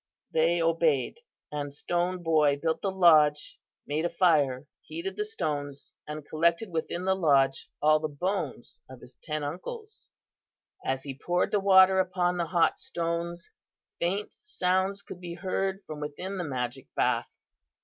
They obeyed, and Stone Boy built the lodge, made a fire, heated the stones and collected within the lodge all the bones of his ten uncles. "As he poured the water upon the hot stones faint sounds could be heard from within the magic bath.